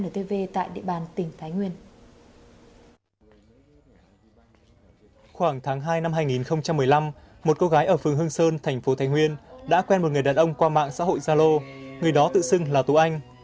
khoảng tháng hai năm hai nghìn một mươi năm một cô gái ở phường hương sơn thành phố thái nguyên đã quen một người đàn ông qua mạng xã hội zalo người đó tự xưng là tú anh